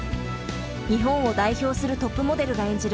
日本を代表するトップモデルが演じる